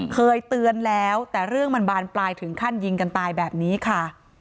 เคยเตือนแล้วแต่เรื่องมันบานปลายถึงขั้นยิงกันตายแบบนี้ค่ะ